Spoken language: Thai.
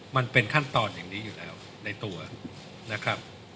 มันเป็นขั้นตอนอย่างนี้อยู่แล้วในตัวนะครับ